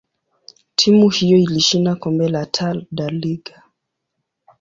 timu hiyo ilishinda kombe la Taa da Liga.